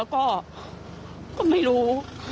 ก็ไม่รู้